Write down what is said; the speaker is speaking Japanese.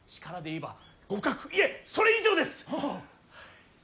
力で言えば互角いえそれ以上です。